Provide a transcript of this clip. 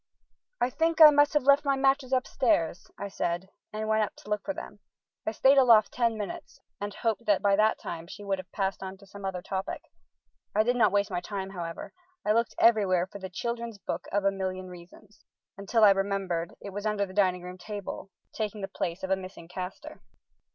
"I think I must have left my matches upstairs," I said, and went up to look for them. I stayed aloft ten minutes and hoped that by that time she would have passed on to some other topic. I did not waste my time, however; I looked everywhere for the "Children's Book of a Million Reasons," until I remembered it was under the dining room table taking the place of a missing caster.